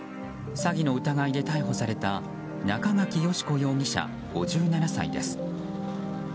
詐欺の疑いで逮捕された中垣佳子容疑者、５７歳です。